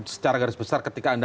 secara garis besar ketika anda